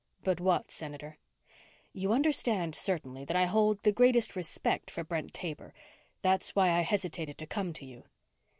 "But what, Senator?" "You understand, certainly, that I hold the greatest respect for Brent Taber. That's why I hesitated to come to you."